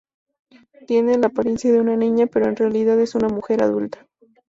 Tiene la apariencia de una niña pero en realidad es una mujer adulta.